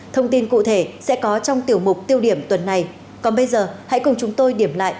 thông tin cụ thể sẽ có trong tiểu mục tiêu điểm tuần này còn bây giờ hãy cùng chúng tôi điểm lại